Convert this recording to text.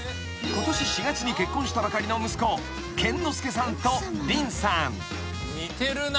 ［ことし４月に結婚したばかりの息子健之介さんと凛さん］